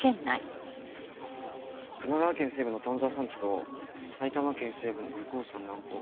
神奈川県西部の丹沢山地と埼玉県西部の武甲山南方。